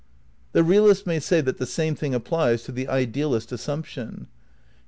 The realist may say that the same thing applies to the idealist assuinption.